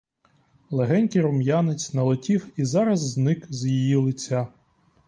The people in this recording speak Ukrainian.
Легенький рум'янець налетів і зараз зник з її лиця.